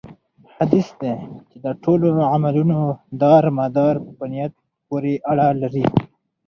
حديث دی چې: د ټولو عملونو دار مدار په نيت پوري اړه لري